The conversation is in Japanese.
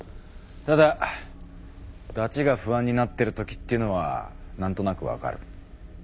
ただダチが不安になってるときっていうのは何となく分かる。